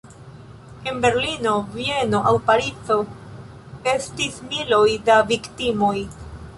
En Berlino, Vieno aŭ Parizo estis miloj da viktimoj.